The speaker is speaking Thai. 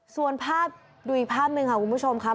ส่วนภาพดูอีกภาพหนึ่งค่ะคุณผู้ชมครับ